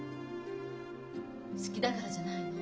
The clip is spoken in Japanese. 好きだからじゃないの？